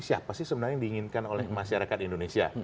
siapa sih sebenarnya yang diinginkan oleh masyarakat indonesia